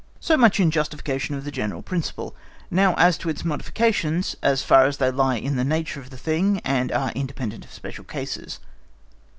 So much in justification of the general principle; now as to its modifications, as far as they lie in the nature of the thing and are independent of special cases.